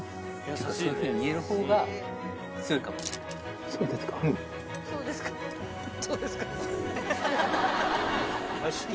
そういうふうに言えるほうが強いかもしれない。